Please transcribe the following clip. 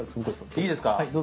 いいですか？